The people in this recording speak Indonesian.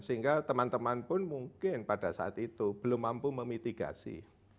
sehingga teman teman pun mungkin pada saat itu belum mampu memitigasi